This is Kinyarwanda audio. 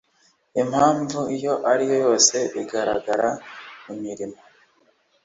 impamvu iyo ariyo yose igaragara mu mirimo